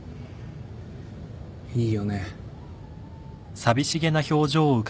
いいよね。